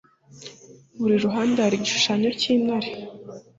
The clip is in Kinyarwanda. buri ruhande hari igishushanyo cy intare